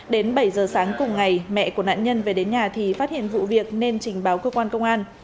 đến bảy giờ sáng cùng ngày mẹ của nạn nhân về đến nhà thì phát hiện vụ việc nên trình báo cơ quan công an